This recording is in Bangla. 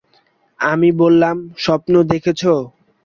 আমি বললাম, স্বপ্ন দেখেছ?